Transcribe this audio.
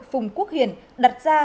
phùng quốc hiển đặt ra